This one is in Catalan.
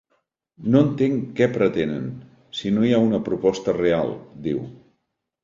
No entenc què pretenen, si no hi ha una proposta real, diu.